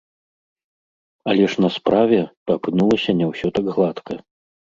Але ж на справе апынулася не ўсё так гладка.